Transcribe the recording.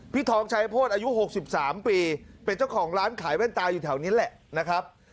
ทองชัยโพธิอายุ๖๓ปีเป็นเจ้าของร้านขายแว่นตาอยู่แถวนี้แหละนะครับ